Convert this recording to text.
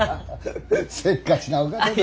せっかちなお方だ。